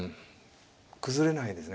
崩れないんですね。